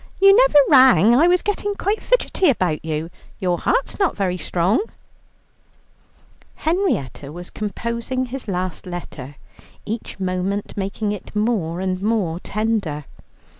You never rang, I was gettin' quite fidgettin' about you, your heart's not very strong." Henrietta was composing his last letter, each moment making it more and more tender.